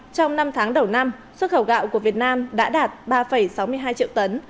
trong năm tháng đầu năm xuất khẩu gạo của việt nam đã đạt ba sáu mươi hai triệu tấn